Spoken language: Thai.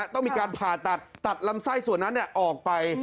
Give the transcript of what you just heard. ต้องมีการผ่าตัดตัดลำไส้ส่วนนั้นออกไป